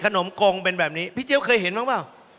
นมกงเป็นแบบนี้พี่เจี๊ยเคยเห็นบ้างเปล่า